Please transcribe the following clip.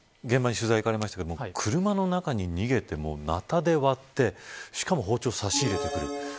現場に取材いかれましたけど車の中に逃げてもナタで割ってしかも包丁を差し入れてくる。